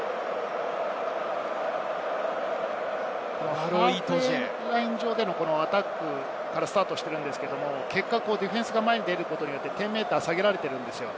ハーフウェイライン上でのアタックからスタートしているんですけれど、結果ディフェンスが前に出ることによって、１０ｍ下げられているんです。